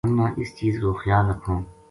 ہمنا اس چیز کو خیال رکھنو